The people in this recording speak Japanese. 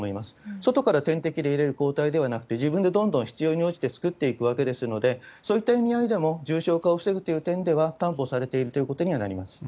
外から点滴を入れる抗体ではなくて、自分でどんどん必要に応じて作っていくわけですので、そういった意味合いでも重症化を防ぐという意味では、担保されているということにはなります。